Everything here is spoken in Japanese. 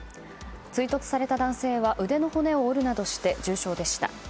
追突された男性は腕の骨を折るなどして重傷でした。